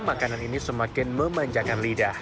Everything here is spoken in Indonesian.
makanan ini semakin memanjakan lidah